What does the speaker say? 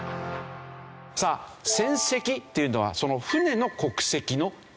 さあ船籍っていうのはその船の国籍の事なんですね。